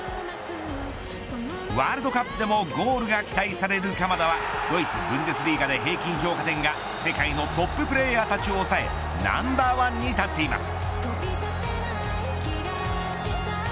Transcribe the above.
ワールドカップでもゴールが期待される鎌田はドイツ、ブンデスリーガで平均評価点が世界のトッププレーヤーたちを抑えナンバー１に立っています。